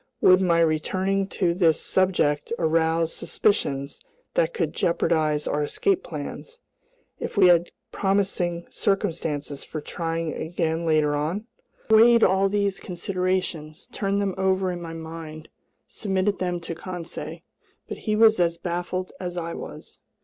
Would my returning to this subject arouse suspicions that could jeopardize our escape plans, if we had promising circumstances for trying again later on? I weighed all these considerations, turned them over in my mind, submitted them to Conseil, but he was as baffled as I was.